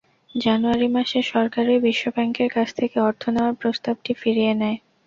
জানুয়ারি মাসে সরকারই বিশ্বব্যাংকের কাছ থেকে অর্থ নেওয়ার প্রস্তাবটি ফিরিয়ে নেয়।